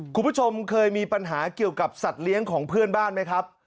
คุณผู้ชมเคยมีปัญหาเกี่ยวกับสัตว์เลี้ยงของเพื่อนบ้านไหมครับ